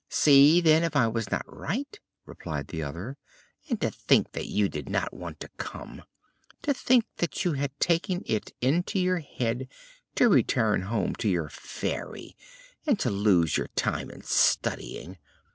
"See, then, if I was not right?" replied the other. "And to think that you did not want to come! To think that you had taken it into your head to return home to your Fairy, and to lose your time in studying!